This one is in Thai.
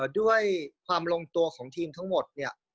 ด้วยความลงตัวของทีมทั้งหมดเนี่ย